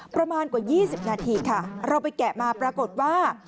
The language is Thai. ประมาณกว่า๒๐นาทีค่ะเราไปแกะมาปรากฏว่า